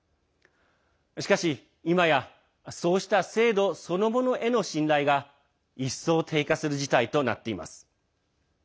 しかし、いまや、そうした制度そのものへの信頼が一層低下する事態となっています。